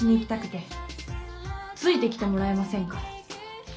ついてきてもらえませんか？